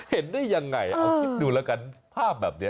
เห็นได้ยังไงเอาคิดดูแล้วกันภาพแบบนี้